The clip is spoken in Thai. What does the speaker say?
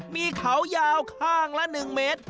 มีเขายาวข้างละ๑เมตร